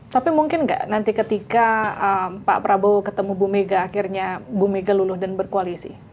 tapi mungkin nggak nanti ketika pak prabowo ketemu bumega akhirnya bumega luluh dan berkoalisi